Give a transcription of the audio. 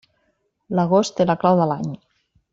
L'agost té la clau de l'any.